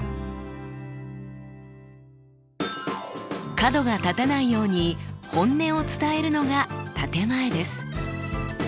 角が立たないように本音を伝えるのが建て前です。